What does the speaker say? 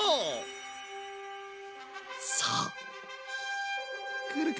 さあくるか？